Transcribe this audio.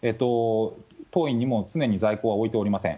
当院にも、常に在庫は置いておりません。